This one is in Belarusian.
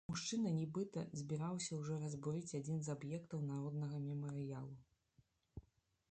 Мужчына, нібыта, збіраўся ўжо разбурыць адзін з аб'ектаў народнага мемарыялу.